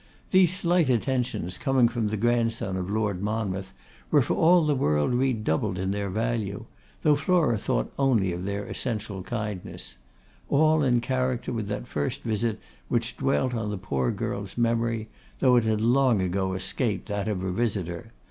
These slight attentions coming from the grandson of Lord Monmouth were for the world redoubled in their value, though Flora thought only of their essential kindness; all in character with that first visit which dwelt on the poor girl's memory, though it had long ago escaped that of her visitor.